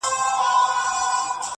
محبت باید تـر ميـنځ زما وو ستا وي